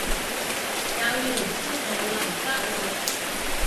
有緣千里能相會